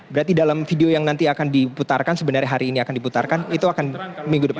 berarti dalam video yang nanti akan diputarkan sebenarnya hari ini akan diputarkan itu akan minggu depan